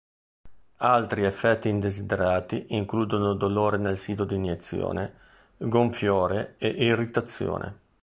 Altri effetti indesiderati includono dolore nel sito di iniezione, gonfiore e irritazione.